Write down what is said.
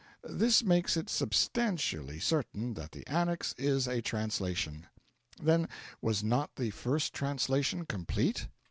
This makes it substantially certain that the Annex is a translation. Then, was not the first translation complete?